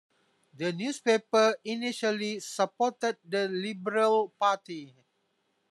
The newspaper initially supported the Liberal Party.